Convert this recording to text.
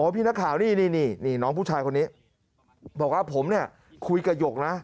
พี่นักข่าวนี่น้องผู้ชายคนนี้บอกว่าผมเนี่ยคุยกับหยกนะ